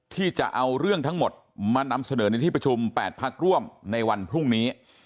ที่จะเอาเรื่องทั้งหมดมานำเสนอในที่ประชุม๘พักร่วมในวันพรุ่งนี้